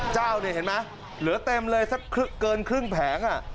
เจ้าเนี่ยเห็นไหมเหลือเต็มเลยสักเกินครึ่งแผง